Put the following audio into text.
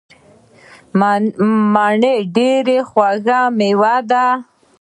مڼې ډیره خوږه میوه ده.